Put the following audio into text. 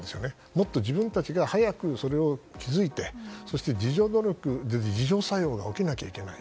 もっと自分たちが早くそれを気付いてそして自浄作用が起きなきゃいけない。